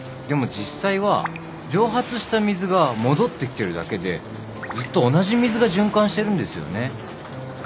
でも実際は蒸発した水が戻ってきてるだけでずっと同じ水が循環してるんですよね。